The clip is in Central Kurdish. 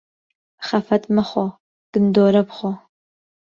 خەفەت مەخۆ، گندۆره بخۆ.